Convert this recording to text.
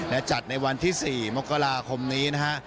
และจัดในวันที่๔มกราคมนี้นะฮะ